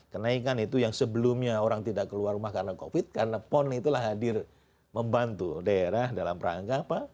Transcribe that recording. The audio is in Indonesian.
kenaikan itu yang sebelumnya orang tidak keluar rumah karena covid karena pon itulah hadir membantu daerah dalam rangka apa